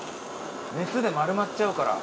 熱で丸まっちゃうから。